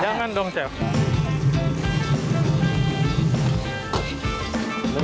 jangan dong chef